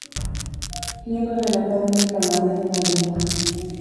Miembro de la Academia Canaria de la Lengua.